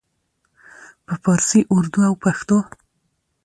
په پارسي، اردو او پښتو